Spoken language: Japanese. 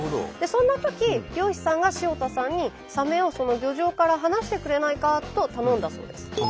そんなとき漁師さんが塩田さんにサメを漁場から離してくれないかと頼んだそうです。